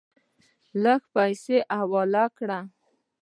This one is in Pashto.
لږې پیسې حواله کړې.